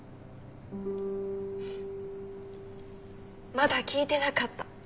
まだ聞いてなかった。